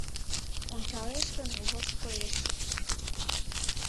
Ончалеш гын — вошт коеш;